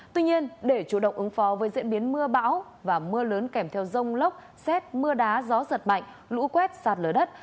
tuy nhiên để chủ động ứng phó với diễn biến mưa bão và mưa lớn kèm theo rông lốc xét mưa đá gió giật mạnh lũ quét sạt lở đất